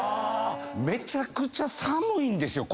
めちゃくちゃ寒いんですよ